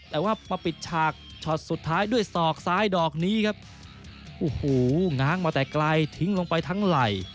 แต่ว่ามาปิดฉากช็อตสุดท้ายด้วยศอกซ้ายดอกนี้ครับโอ้โหง้างมาแต่ไกลทิ้งลงไปทั้งไหล่